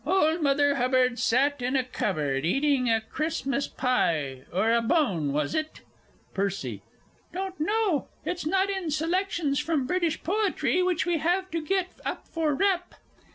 _) "Old Mother Hubbard sat in a cupboard, eating a Christmas pie or a bone was it?" PERCY. Don't know. It's not in Selections from British Poetry, which we have to get up for "rep."